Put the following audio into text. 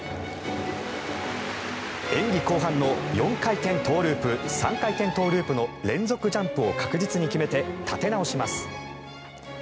演技後半の４回転トウループ３回転トウループの連続ジャンプを確実に決めて立て直します。